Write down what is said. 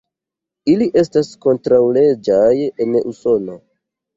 Ili estas kontraŭleĝaj en Usono.